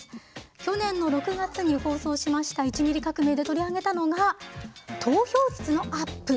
去年の６月に放送しました「１ミリ革命」で取り上げたのが投票率のアップ。